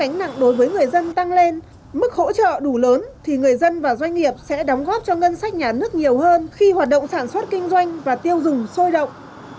gánh nặng đối với người dân tăng lên mức hỗ trợ đủ lớn thì người dân và doanh nghiệp sẽ đóng góp cho ngân sách nhà nước nhiều hơn khi hoạt động sản xuất kinh doanh và tiêu dùng sôi động